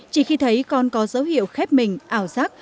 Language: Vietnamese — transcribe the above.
chỉ khi thấy con có dấu hiệu khép mình ảo giác